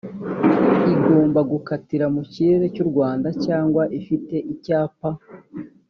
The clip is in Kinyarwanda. igomba gukatira mu kirere cy’u rwanda cyangwa ifite icyapa‽